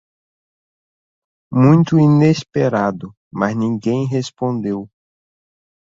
Muito inesperado, mas ninguém respondeu